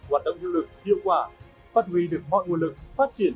hoạt động hiệu lực hiệu quả phát huy được mọi nguồn lực phát triển